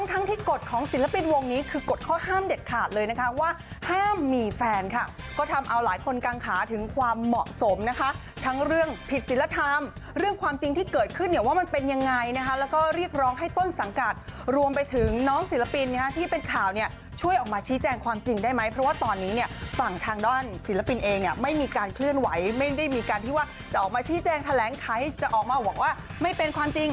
ทั้งที่กฎของศิลปินวงนี้คือกฎข้อห้ามเด็ดขาดเลยนะคะว่าห้ามมีแฟนค่ะก็ทำเอาหลายคนกางขาถึงความเหมาะสมนะคะทั้งเรื่องผิดศิลธรรมเรื่องความจริงที่เกิดขึ้นเนี่ยว่ามันเป็นยังไงนะคะแล้วก็เรียกร้องให้ต้นสังกัดรวมไปถึงน้องศิลปินที่เป็นข่าวเนี่ยช่วยออกมาชี้แจงความจริงได้ไหมเพราะว่าตอนน